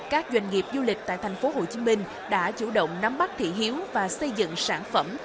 các doanh nghiệp du lịch tại tp hcm đã chủ động nắm bắt thị hiếu và xây dựng sản phẩm